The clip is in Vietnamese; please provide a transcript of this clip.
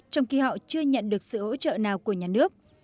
trong khi họ chưa nhận được sự hỗ trợ nào của nhà nước